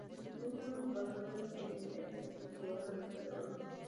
Durante su tiempo en el Observatorio de Heidelberg, Ernst descubrió un asteroide.